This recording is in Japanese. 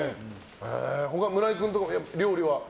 村井君とか料理は？